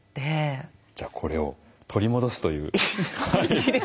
じゃあこれを取り戻すという。